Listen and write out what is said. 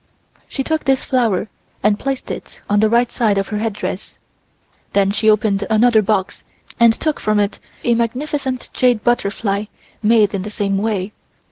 She took this flower and placed it on the right side of her headdress. Then she opened another box and took from it a magnificent jade butterfly made in the same way.